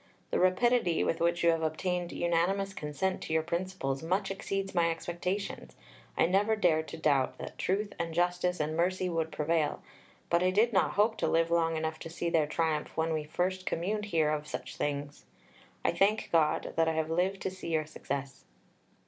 The rapidity with which you have obtained unanimous consent to your principles much exceeds my expectations. I never dared to doubt that truth and justice and mercy would prevail, but I did not hope to live long enough to see their triumph when we first communed here of such things. I thank God that I have lived to see your success."